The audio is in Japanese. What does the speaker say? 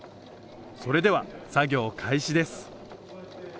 それでは作業開始です。